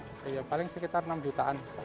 paling sekitar enam jutaan